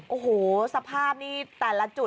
โอ้โหสภาพนี่แต่ละจุด